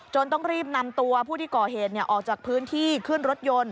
ต้องรีบนำตัวผู้ที่ก่อเหตุออกจากพื้นที่ขึ้นรถยนต์